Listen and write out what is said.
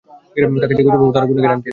তাকে যে খুঁজে পাবো তারও কোন গ্যারান্টি নেই।